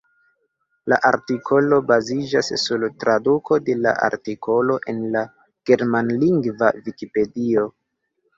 La artikolo baziĝas sur traduko de la artikolo en la germanlingva vikipedio.